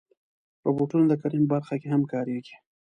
روبوټونه د کرنې په برخه کې هم کارېږي.